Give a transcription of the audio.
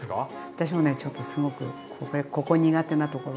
私もねちょっとすごくここ苦手なところ。